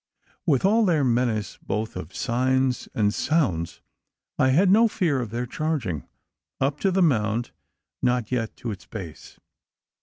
With all their menace both of signs and sounds, I had no fear of their charging; up the mound, nor yet to its base.